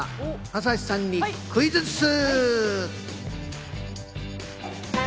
朝日さんにクイズッス。